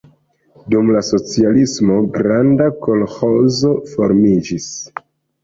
Dum la socialismo granda kolĥozo formiĝis.